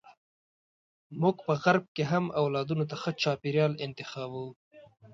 موږ په غرب کې هم اولادونو ته ښه چاپیریال انتخابوو.